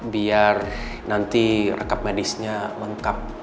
biar nanti rekap medisnya lengkap